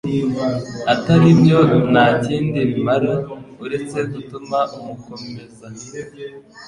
atari byo nta kindi bimara uretse gutuma mukomeza